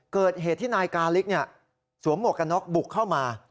เกิดเหตุที่นายกาลิกสวมหมวกกันน็อกบุกเข้ามา